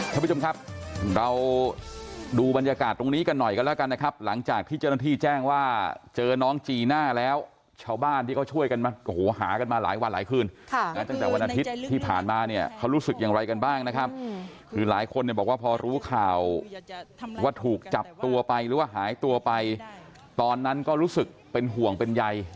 ท่านผู้ชมครับเราดูบรรยากาศตรงนี้กันหน่อยกันแล้วกันนะครับหลังจากที่เจ้าหน้าที่แจ้งว่าเจอน้องจีน่าแล้วชาวบ้านที่เขาช่วยกันมาโอ้โหหากันมาหลายวันหลายคืนตั้งแต่วันอาทิตย์ที่ผ่านมาเนี่ยเขารู้สึกอย่างไรกันบ้างนะครับคือหลายคนเนี่ยบอกว่าพอรู้ข่าวว่าถูกจับตัวไปหรือว่าหายตัวไปตอนนั้นก็รู้สึกเป็นห่วงเป็นใย